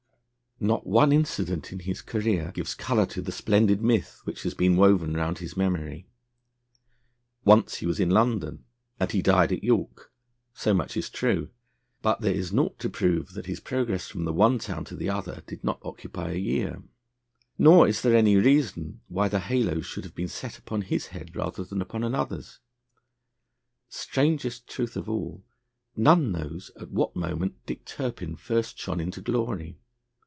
Not one incident in his career gives colour to the splendid myth which has been woven round his memory. Once he was in London, and he died at York. So much is true; but there is naught to prove that his progress from the one town to the other did not occupy a year. Nor is there any reason why the halo should have been set upon his head rather than upon another's. Strangest truth of all, none knows at what moment Dick Turpin first shone into glory.